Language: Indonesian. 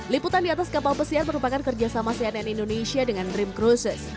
liputan di atas kapal pesiar merupakan kerjasama cnn indonesia dengan dream cruises